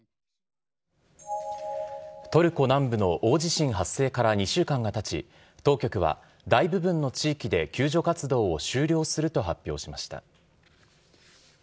トルコ南部の大地震発生から２週間がたち、当局は大部分の地域で、救助活動を終了すると発表しました。